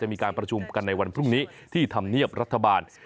มีการประชุมกันในวันพรุ่งนี้ที่ธรรมเนียบรัฐบาล